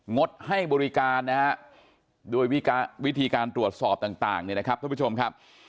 งดให้บริการนะครับด้วยวิธีการตรวจสอบต่างนะครับทุกผู้ชมครับ